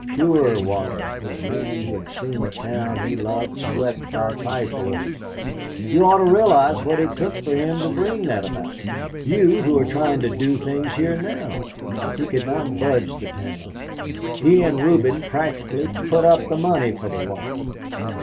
Pure water to a man who had seen a town he loved swept by typhoid! You ought to realize what it took for him to bring that about; you who are trying to do things here now. He could not budge the town. He and Reuben practically put up the money for the water.